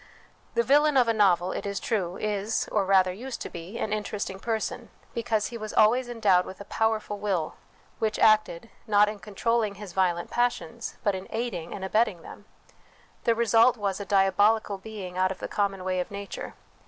The villain of a novel, it is true, is, or rather used to be, an interesting person, because he was always endowed with a powerful will, which acted, not in controlling his violent passions, but in aiding and abetting them : the result was a diabolical being out of the common way of nature.